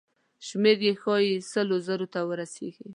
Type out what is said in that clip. شمېر یې ښایي سلو زرو ته ورسیږي.